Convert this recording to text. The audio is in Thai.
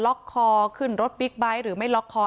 และลูกสาวคนนี้น้องโฟลคนนี้คือเสาหลักของครอบครัว